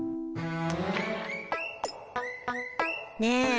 ねえ